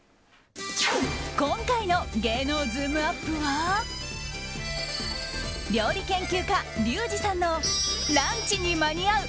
今回の芸能ズームＵＰ！は料理研究家・リュウジさんのランチに間に合う！